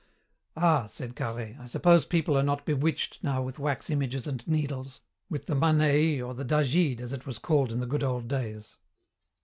"Ah," said Carhaix, "I suppose people are not betwitched now with wax images and needles, with the 'Manei' or the 'Dagyde' as it was called in the good old days."